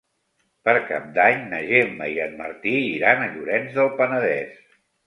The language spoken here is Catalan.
Per Cap d'Any na Gemma i en Martí iran a Llorenç del Penedès.